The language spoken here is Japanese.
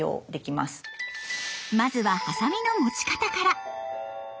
まずはハサミの持ち方から。